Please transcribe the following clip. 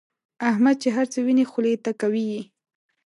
احمد چې هرڅه ویني خولې ته کوي یې.